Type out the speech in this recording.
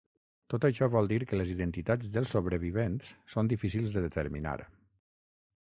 Tot això vol dir que les identitats dels sobrevivents són difícils de determinar.